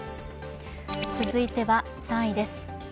続いては３位です。